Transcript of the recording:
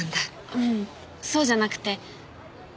ううんそうじゃなくて。